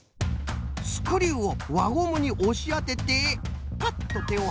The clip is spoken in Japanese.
スクリューをわゴムにおしあててぱっとてをはなせば。